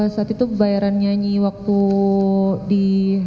saat itu bayaran nyanyi waktu di